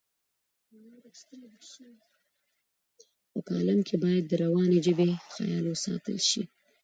په کالم کې باید د روانې ژبې خیال وساتل شي.